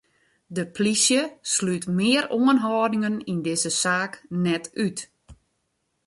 De polysje slút mear oanhâldingen yn dizze saak net út.